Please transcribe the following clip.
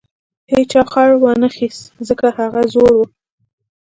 هیچا خر ونه خیست ځکه هغه زوړ و.